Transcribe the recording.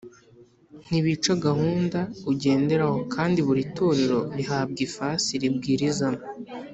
ntibica gahunda ugenderaho kandi buri torero rihabwa ifasi ribwirizamo